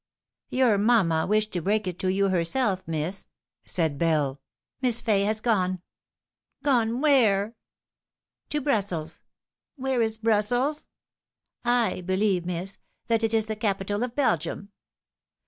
" Your mamma wished to break it to you herself, miss," said Bell. " Miss Fay has gone." " Gone, where ?" M To Brussels." " Where is Brussels ?""/ believe, miss, that it is the capital of Belgium."